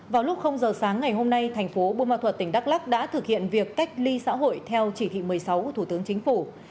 vào lúc giờ sáng ngày hôm nay thành phố bùa ma thuật tỉnh đắk lắc đã thực hiện việc cách ly xã hội theo chỉ thị một mươi sáu của thủ tướng chính phủ